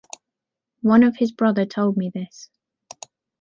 One of his brother told me this.